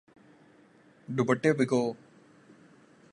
دوپٹے بھگو